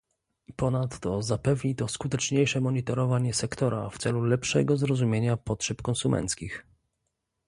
Ponadto zapewni to skuteczniejsze monitorowanie sektora w celu lepszego zrozumienia potrzeb konsumenckich